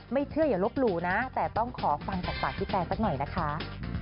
เชื่ออย่าลบหลู่นะแต่ต้องขอฟังจากปากพี่แตนสักหน่อยนะคะ